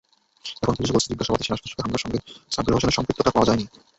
এখন পুলিশ বলছে, জিজ্ঞাসাবাদে সেনাসদস্যকে হামলার সঙ্গে সাব্বির হোসেনের সম্পৃক্ততা পাওয়া যায়নি।